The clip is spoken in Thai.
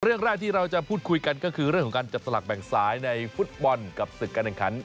เรื่องแรกที่เราจะพูดคุยกันก็คือเรื่องของการจัดสลักแบ่งสายในฟุตบอลกับศึกการแข่งขัน